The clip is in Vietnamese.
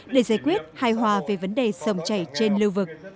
để giải quyết hài hòa về vấn đề sầm chảy trên lưu vực